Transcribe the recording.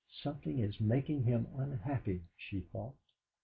'.omething is making him unhappy,' she thought.